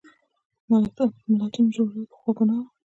ملتونو جوړول پخوا ګناه وه.